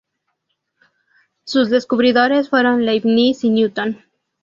Sus descubridores fueron Leibniz y Newton.